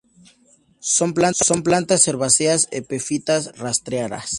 Son plantas herbáceas epífitas, rastreras.